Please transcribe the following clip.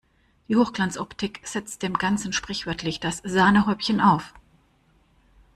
Die Hochglanzoptik setzt dem Ganzen sprichwörtlich das Sahnehäubchen auf.